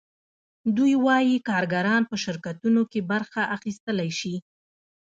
دوی وايي کارګران په شرکتونو کې برخه اخیستلی شي